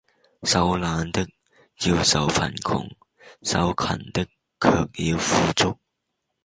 手懶的，要受貧窮；手勤的，卻要富足。